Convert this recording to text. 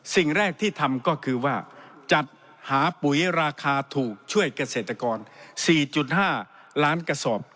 สิ่งแรกที่ทำก็คือว่าจัดหาปุ๋ยราคาถูกช่วยเกษตรกร๔๕ล้านกระสอบ